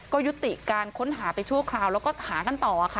ก็ยุติการค้นหาไปชั่วคราวแล้วก็หากันต่อค่ะ